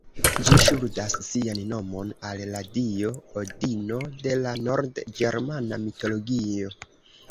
Ĝi ŝuldas sian nomon al la dio Odino de la nord-ĝermana mitologio.